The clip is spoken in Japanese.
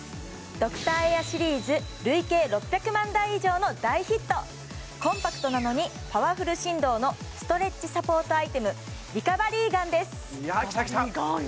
ドクターエアシリーズ累計６００万台以上の大ヒットコンパクトなのにパワフル振動のストレッチサポートアイテムリカバリーガンですいやきたきたリカバリーガンよ